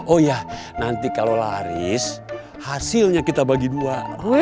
oh ya nanti kalau laris hasilnya kita bagi dua